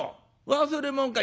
忘れもんか？」。